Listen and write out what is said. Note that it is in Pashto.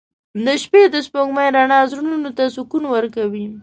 • د شپې د سپوږمۍ رڼا زړونو ته سکون ورکوي.